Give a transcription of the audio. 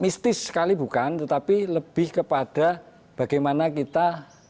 mistis sekali bukan tetapi lebih kepada bagaimana kita